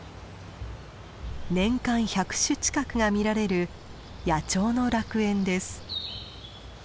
年間１００種近くが見られる野鳥の楽園です。